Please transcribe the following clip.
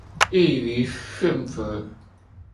易於馴服